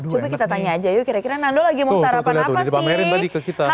coba kita tanya aja yuk kira kira nando lagi mau sarapan apa sih